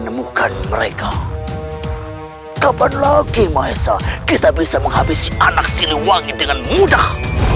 temukan mereka kapan lagi maesha kita bisa menghabisi anak siluwangi dengan mudah